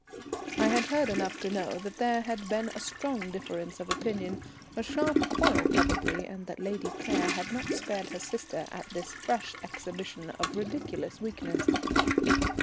I had heard enough to know that there had been a strong difference of opinion, a sharp quarrel probably, and that Lady Claire had not spared her sister at this fresh exhibition of ridiculous weakness.